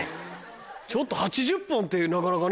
ちょっと８０本ってなかなかね